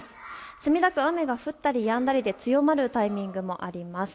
墨田区雨が降ったりやんだりで強まるタイミングもあります。